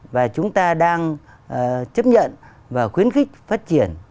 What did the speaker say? và chúng ta đang chấp nhận và khuyến khích phát triển